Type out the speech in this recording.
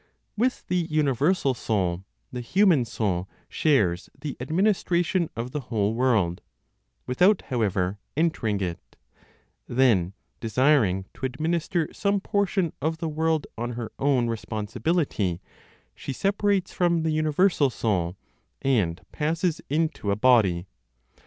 With the universal Soul, the human soul shares the administration of the whole world, without, however, entering it; then, desiring to administer some portion of the world on her own responsibility, she separates from the universal Soul, and passes into a body.